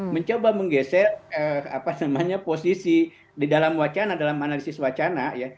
mencoba menggeser posisi di dalam wacana dalam analisis wacana ya